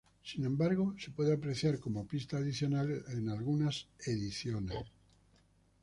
Sin embargo, se puede apreciar como pista adicional en algunas ediciones.